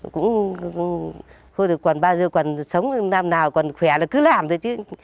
không được còn bao giờ còn sống làm nào còn khỏe là cứ làm thôi chứ